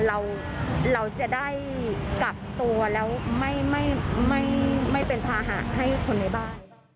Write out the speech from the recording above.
เราจะได้กักตัวแล้วไม่เป็นภาหะให้คนในบ้าน